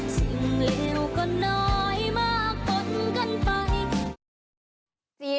เลวก็น้อยมากปนกันไป